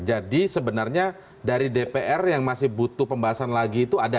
jadi sebenarnya dari dpr yang masih butuh pembahasan lagi itu ada